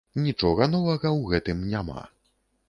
Нічога новага ў гэтым няма.